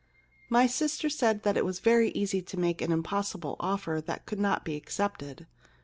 * My sister said that it was very easy to make an impossible offer that could not be accepted.